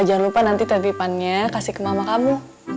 jangan lupa nanti tertipannya kasih ke mama kamu